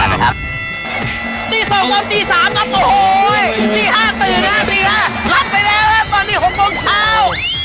ตีสองตอนตีสามโอ้โฮยตีห้าตื่นห้าสี่ห้ารับไปแล้วตอนนี้หกโมงเช้า